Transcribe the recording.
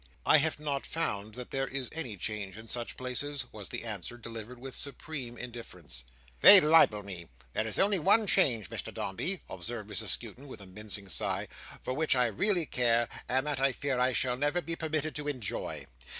"I have not found that there is any change in such places," was the answer, delivered with supreme indifference. "They libel me. There is only one change, Mr Dombey," observed Mrs Skewton, with a mincing sigh, "for which I really care, and that I fear I shall never be permitted to enjoy.